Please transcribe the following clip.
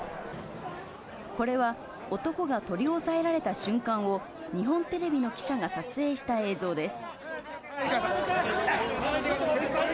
これは男が取り押さえられた瞬間を、日本テレビの記者が撮影した映像です。